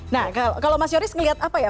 nah kalau mas yoris ngelihat apa ya